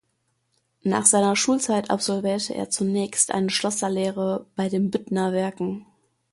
Nach seiner Schulzeit absolvierte er zunächst eine Schlosserlehre bei den Büttner-Werken.